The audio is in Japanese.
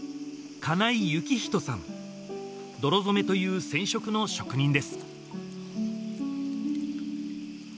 金井志人さん泥染めという染色の職人です